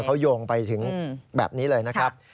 เขาโยงไปถึงแบบนี้เลยนะครับ